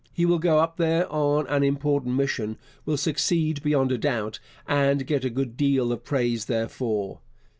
He will go up there on an important mission, will succeed beyond a doubt, and get a good deal of praise therefor.